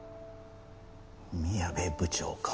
宮部部長か。